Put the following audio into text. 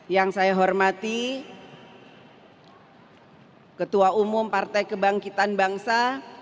yang saya hormati ketua umum partai kebangkitan bangsa